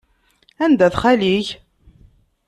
Anda-t xali-k?